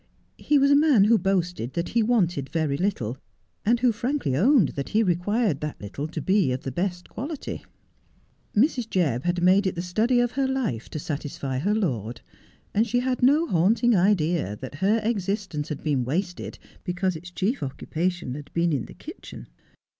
He was a man who boasted that he wanted very little ; and who frankly owned that he required that little to be of the best quality. Mrs. Jebb had made it the study of her life to satisfy her lord, and she had no haunting idea that her existence had been wasted because its chief occu pation had been in the kitchen.